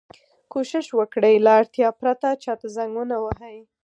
کوشش وکړئ! له اړتیا پرته چا ته زنګ و نه وهئ.